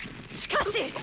しかし！